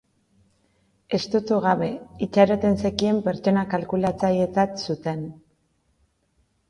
Estutu gabe, itxaroten zekien pertsona kalkulatzailetzat zuten.